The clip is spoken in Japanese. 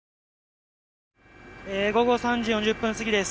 午後３時４０分過ぎです。